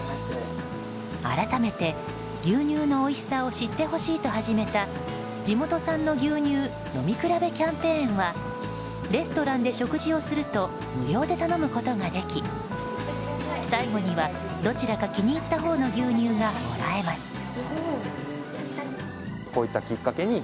改めて牛乳のおいしさを知ってほしいと始めた地元産の牛乳飲み比べキャンペーンはレストランで食事をすると無料で頼むことができ最後にはどちらか気に入ったほうの牛乳がもらえます。